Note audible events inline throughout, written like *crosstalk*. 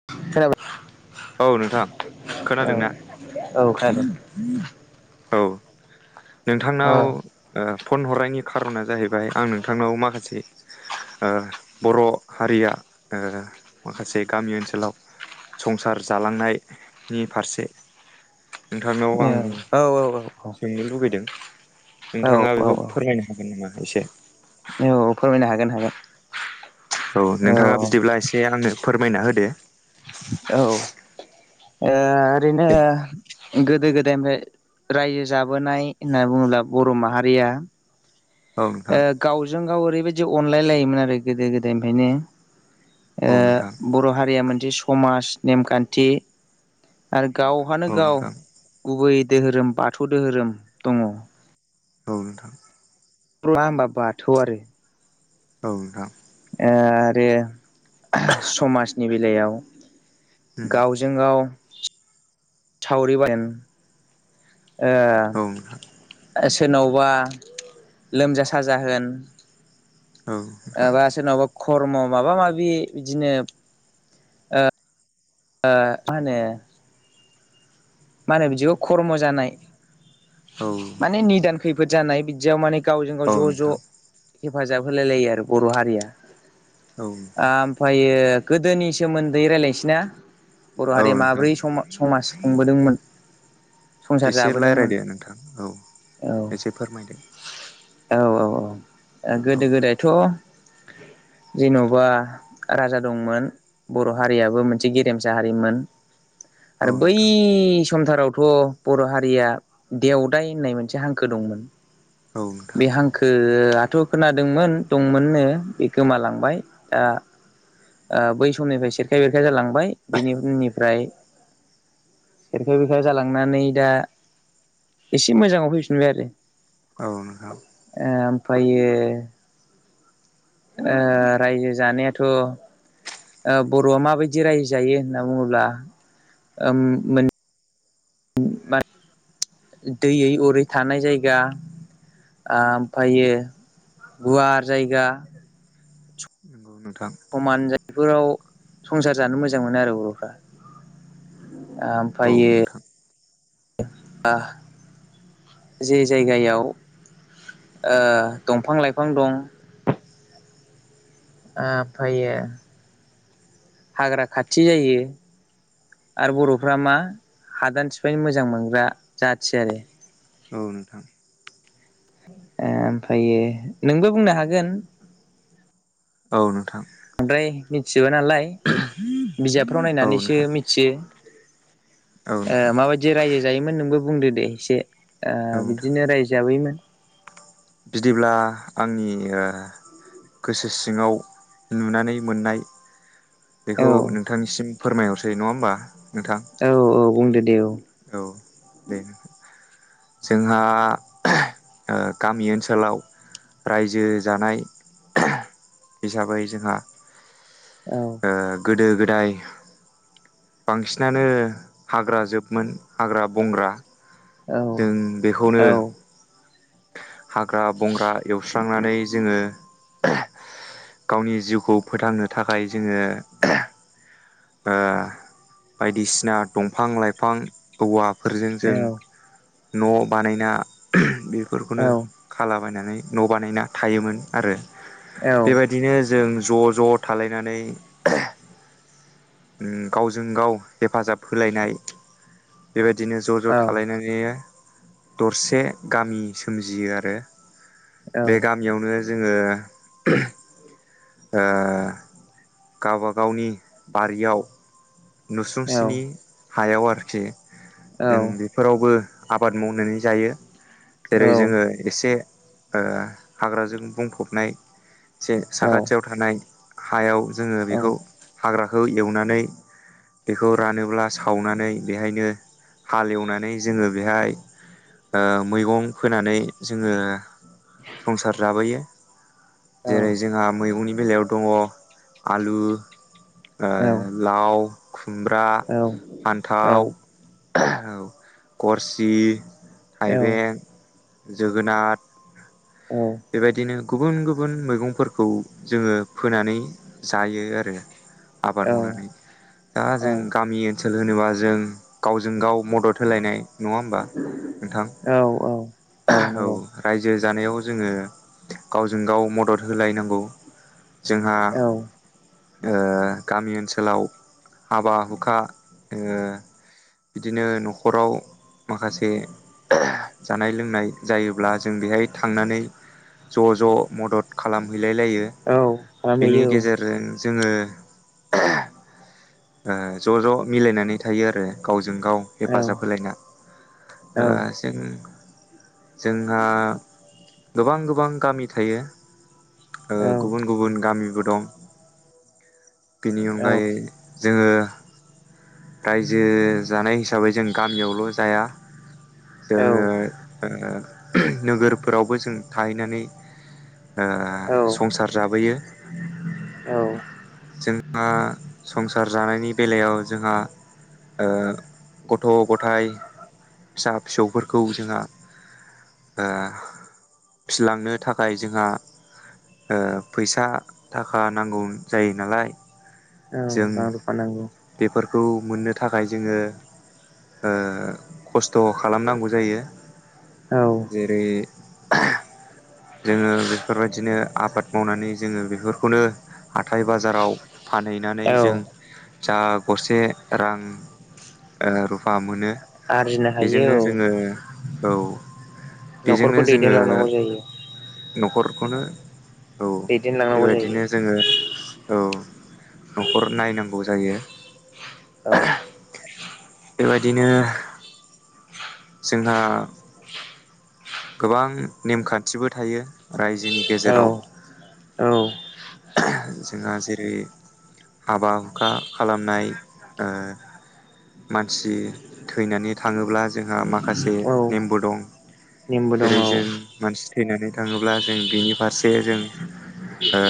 *unintelligible* औ नोंथां औ खोनादोंना औ खानादो औ नोंथांनाव ओ फन हरनायनि खार'ना जाहैबाय आं नोंथांनाव माखासे ओ बर' हारिया ओ माखासे गामि ओनसोलाव संसार जालांनायनि फारसे नोंथांनायाव आं औ सोंनो लुुबै नोंथाङा औ बेखौ औ फोरमायनो हागोन नामा एसे औ फोरमायनो हागोन हागोन औ नोंथाङा बिदिब्ला एसे आंनो फोरमायना होदो औ ओ ओरैनो गोदो गोदायनिफ्राय रायजो जाबोनाय होननानै बुङोब्ला बर' माहारिया औ ओ नोंथां गावजों गाव ओरैबायदि अनलाय लायोमोन आरो गोदो गोदायनिफ्रायनो औ नोंथां ओ बर' हारिया मोनसे समाज नेमखान्थि आरो गावहानो औ गाव नोंथां गुबै दोहोरोम बाथौ दोहोरोम दङ औ नोंथां *unintelligible* होमबा बाथौ आरो औ नोंथां ओ आरो समाजनि बेलायाव गावजों गाव सावरि *unintelligible* उम औ नोंथां ओ सोरनावबा लोमजा साजा होन औ नोंथां एबा सोरनावबा खर्म माबा माबि बिदिनो। ओ मा होनो मा होनो बिदिखौ खर्म जानाय औ माने निदान खैफोद जानाय बिदियाव माने गावजों गाव औ ज' ज' नोंथां हेफाजाब होलाय लायो आरो बर' हारिया। ओ औ नोंथां ओमफायो गोदोनि सोमोन्दै रायलायनोसैना। बर' औ हारिया नोंथां माब्रै सम समाज खुंबोदोंमोन‌ एसे रायज्लायदो नोंथां औ औ एसे फोरमायदो। औ औ औ गोदो गोदायथ' जेन'बा राजा दंमोन बर' हारियाबो मोनसे गेरेमसा हारिमोन। औ आरो बै नोंथां समथारावथ' बर' हारिया देवदाय होननाय मोनसे हांखो दंमोन। औ नोंथां बे हांखो दाथ' खोनादोंमोन दंमोननो बे गोमालांबाय दा ओ बै समनिफ्राय सेरखाय बेरखाय जालांबाय बिनि उनिफ्राय खेरखाय बेरखाय जालांनानै दा एसे मोजाङाव फैफिनबाय आरो औ नोंथां ओ ओमफायो। रायजो जानायाथ' बर'आ माबायदि राय जायो होनना बुङोब्ला ओम मोन दैयै अरै थानाय जायगा। ओमफ्रायो गुवार जायगा *inaudible* समान जायफोराव संसार जानो मोजां मोनो आरो बर'फ्रा। औ ओमफ्रायो नोंथां बा जे जायगायाव ओ दंफां लाइफां दं। ओमफ्रायो हाग्रा खाथि जायो। आरो बर'फ्रा मा हादान सिफायनो मोजां मोनग्रा जाथि आरो औ नोंथां। ओमफ्रायायो नोंबो बुंनो हागोन। औ नोंथां। बांद्राय मिथिजोबा नालाय बिजाबफ्राव नायनानैसो मिथियो। औ नोंथां माबायदि रायजो जायोमोन नोंबो बुंदो दे एसे। ओ औ नोंथां बिदिनो रायजाबैमोन। बिदिब्ला आंनि ओ गोसो सिङाव नुनानै मोननाय। औ बेखौ नोंथांनिसिम फोरमायहरसै नङा होमबा नोंथां। औ औ बुंदो दे औ औ दे जोंहा गामि ओनसोलाव रायजो जानाय हिसाबै जोंहा औ ओ गोदो गो दाय बांसिनानो हाग्रा जोबमोन हाग्रा बंग्रा औ जों बेखौनो औ हाग्रा बंग्रा एवस्रांनानै जोङो गावनि जिउखौ फोथांनो थाखाय जोङो ओ बायदिसिना दंफां लाइफां औवा फोरजों जों औ न' बानायना औ बेफोरखौनो खालाम नानै न' बानायना थोमोन आरो औ बेबायदिनो जों ज' ज' थालायनानै गावजों गाव हेफाजाब होलायनाय बेबाय दिनो ज' ज' थालायनानै दरसे गामि सोमजियो आरो बे गामियावनो जोङो ओ गावबा गावनि बारियाव नुसुंसिनि हायाव आरोखि जों बेफोरावबो आबाद मावनानै जायो जेरै जोङो एसे ओ हाग्राजों बुंफबनाय जे साखाथियाव थानाय हायाव जोङो बेखौ औ हाग्राखौ एवनानै बेखौ रानोब्ला सावनानै बेहायनो हाल एवनानै जोङो बेहाय ओ मैगं फोनानै जोङो संसार जाबोयो औ जेरै औ जोंहा मैगंनि बेलायाव दङ' आलु ओ लाव, खुमब्रा, फान्थाव औ गरसि, थाइबें जोगोनार बेबायदिनो गुबुन गुबुन मैगंफोरखौ जोङो फोनानै जायो आरो आबाद मावनानै दा जों गामि ओनसोल होनोबा जों गावजों गाव मदद होलायनाय नंङा होमबा नोंथां? औ नंगौ रायजो जानायाव जोङो गावजों गाव मदद होलाय नांगौ जोंहा औ ओ गामि ओनसोलाव हाबा हुखा ओ बिदिनो न'खराव माखासे जानाय लोंनाय जायोब्ला जों बेहाय थांनानै ज' ज' मदद खालाम हैलाय लायो। औ बिनि खालामहैयो गेजेरजों जोङो *unintelligible* ओ ज' ज' मिलायनानै थायो आरो गाव जों गाव औ हेफाजाब होलायना। औ ओ जों जोंहा गोबां गोबां गामि थायो। ओ औ गुबुन गुबुन गामिबो दं। बेनि औ अनगायै ओ रायजो जानाय हिसाबै जों गामियावल' जाया। जोङो ओ नोगोरफोरावबो जों थाहैनानै ओ संसार जाबोयो। औ जोंआ संसार जानायनि बेलायाव जोंहा ओ गथ' गथाय फिसा फिसौफोरखौ जोंहा ओ फिलांनो थाखाय जोंहा ओ फैसा थाखा नांगौ जायो नालाय। औ रां रुफा नांगौ। खौ मोननो थाखाय जोङो ओ खस्थ' खालामनांगौ जायो। औ जेरै *inaudible* जोङो बेफोरबायदिनो आबाद मावनानै जोङो बेफोरखौनो हाथाय बाजाराव फानहैनानै औ जों जा गसे रां ओ रुफा मोनो आरजिनो हायो बेजोंनो औ जोङो औ बेजोंनो न'खरखौ जोङो दैदेनलांनांगौ जायो न'खरखौनो औ दैदेनलांनांगौ जायो बेबायदिनो जोङो औ न'खर नायनांगौ जायो। औ बेबायदिनो जोंहा गोबां नेमखान्थिबो थायो रायजोनि गेजेराव। औ औ जोंहा जेरै हाबा हुखा खालामनाय ओ मानसि थैनानै थाङोब्ला जोंहा माखासे औ नेमबो दं। नेमबो दं जेरै औ जों मानसि थैनानै थाङोब्ला जों बिनि फारसे जों ओ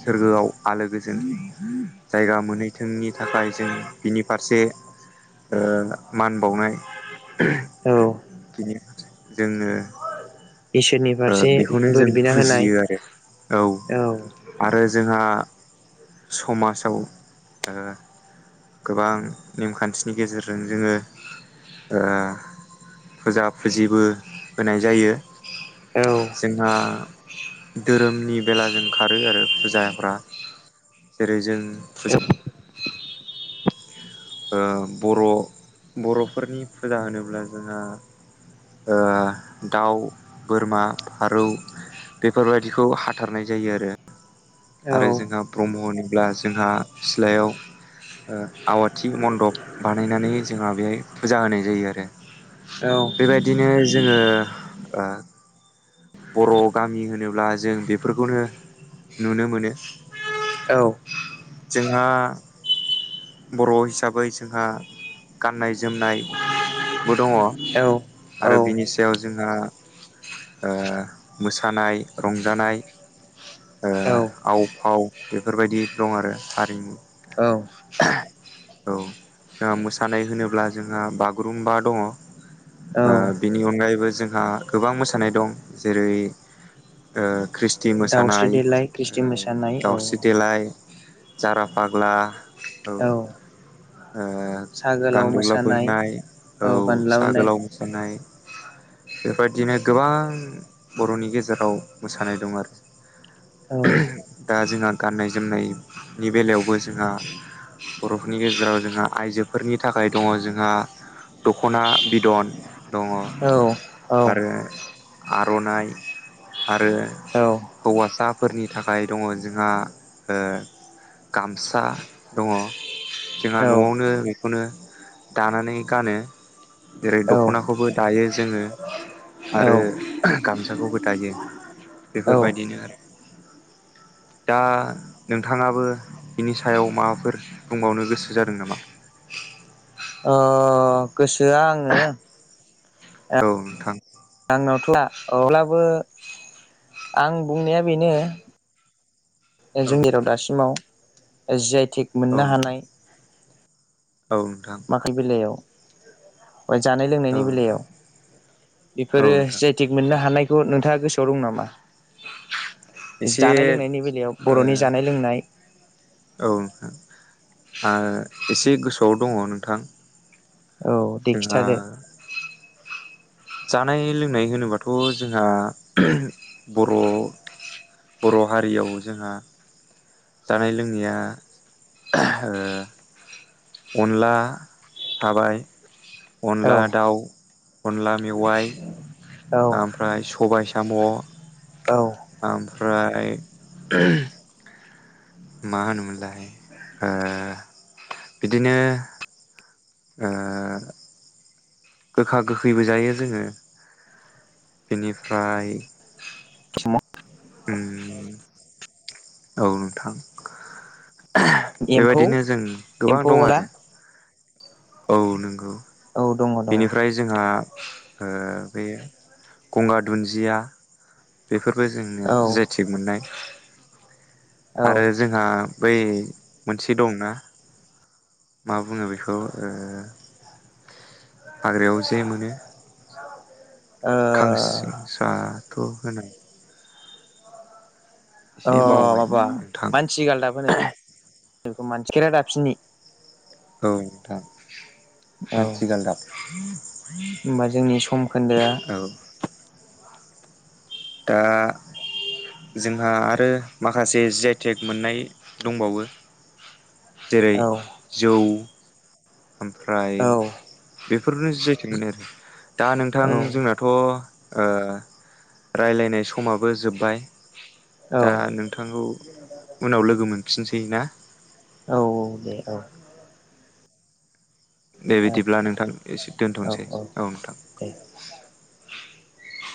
सोरगोआव आलो‌ गोजोन जों जायगा मोनहैथोंनि थाखाय जों बिनि फारसे ओ मान बावनाय औ बिनि जोङो इसोरनि ओ फारसे बेखौनो जों बोर बिना होनाय फुजियो आरो औ आरो जोंहा समाजाव गोबां नेमखान्थिनि गेजेरजों जोङो ओ फुजा फुजिबो होनाय जायो। औ जोंहा धोरोमनि बेला जों खारो आरो फुजाफ्रा। जेरै जों औ फुजा ओ बर' बर'फोरनि फुजा होनोब्ला जोंहा ओ दाउ बोरमा फारौ बेफोरबायदिखौ हाथारनाय जायो आरो। औ आरो जोंहा ब्रह्म होनोब्ला जोंहा सिलायाव आवाथि थि मन्दप बानायनानै जोंहा बेहाय फुजा होनाय जायो आरो बेबायदिनो जोङो ओ बर' गामि होनोब्ला जों बेफोरखौनो नुनो मोनो जोंहा बर' हिसाबै जोंहा गाननाय जोमनाय बो दङ औ आरो बिनि सायाव जोंहा ओ मोसानाय रंजानाय ओ आव फाव बेफोरबायदि दं हारिमु *inaudible* औ जोंहा मोसानाय होनोब्ला जोंहा बागुरुम्बा दङ ओ औ बिनि अनगायैबो जोंहा गोबां मोसानाय दं जेरै ओ खृष थि दाउस्रि मोसानाय देलाय खृष्टि ओ मोसानाय औ दाउस्रि देलाय जारा फाग्ला औ साहा गोलाव गान्दौला मोसानाय बोननाय औ ओ सा बानलावनाय गोलाव मोसानाय *inaudible* बेबायदिनो गोबां बर'नि गेजेराव मोसानाय दं आरो औ दा जोंहा गाननाय जोमनायनि बेलायावबो जोंहा बर'फोरनि गेजे राव जोंहा आइजोफोरनि थाखाय दङ जोंहा दख'ना बिदन दङ औ औ आरो आर'नाइ आरो औ हौवासाफोरनि थाखाय दङ जोंहा ओ गामसा दङ जोंहा औ न'आवनो बेखौनो दानानै गानो जेरै दख'नाखौबो दायो जोङो औ आरो गामसाखौबो दायो औ बेफोरबायदिनो आरो दा नोंथाङाबो बिनि सायाव माबाफोर बुंबावनो गो सो जादों नामा? अ गोसोआ आङो औ नोंथां आंनावथ' अब्लाबो आं बुंनाया बेनो औ जों जेराव नोंथां दासिमाव जि आइटिक औ मोननो नोंथां हानाय। औ नोंथां माखाल बिलायाव जानाय औ लोंनायनि नोंथां बेलायाव औ बेफोरो जि नोंथां आइ टेक मोननो हानाय खौ नोंथाङा गोसोआव दं नामा? एसे जानाय लोंनायनि बेलायाव ओ बर'नि जानाय लोंनाय औ नोंथां आ एसे गोसोआव दङ नोंथां औ दे जोंहा खिथा दे जानाय लोंनाय होनोबाथ' जोंहा बर' बर' हारियाव जोंहा जानाय लोंनाया अ अनला थाबाय औ अनला दाउ अनला मेवाइ औ ओमफ्राय सबाय साम' औ ओमफ्राय मा होनोमोनलाय अ बिदिनो ओ गोखा गोखैबो जायो जोङो बेनिफ्राय उम औ नोंथां एम्फौ बेबायदिनो जों गोबां एम्फौ दं अनला आरो औ नंगौ औ दङ दङ बेनिफ्राय जोंहा ओ बे गंगार दुन्दिया बेफोरखो जोंनो औ जेथि मोननाय ओ आरो जोंहा बै मोनसे दंना मा बुङो बेखौ ओ हाग्रायाव जे मोनो अ खांसिं सा। खौ होनो अ एसे बावबाय माबा नोंथां मानसि आलदाबोनो बेखौ खेरादाबसिनि अ नोंथां औ मानसि गालदाब होमबा जोंनि समखोन्दोआ ओ जोंहा आरो माखासे जि आइ टेक मोननाय दंबावो। जेरै औ जौ ओमफ्राय औ बेफोरनो जि आइ टेक मोननाय आरो दा नोंथां जोंनाथ' ओ रायलायनाय समाबो जोब्बाय। औ दा नोंथांखौ उनाव लोगो मोनफिनसै ना औ औ दे औ दे बिदिब्ला नोंथां एसे दोनथ'नोसै औ नोंथां। दे *inaudible*